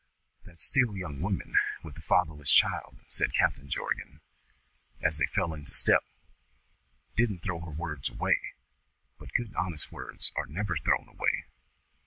"That still young woman with the fatherless child," said Captain Jorgan, as they fell into step, "didn't throw her words away; but good honest words are never thrown away.